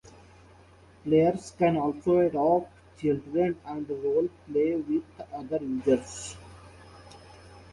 Players can also adopt children and roleplay with other users.